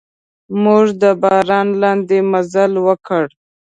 موږ د باران لاندې مزل وکړ.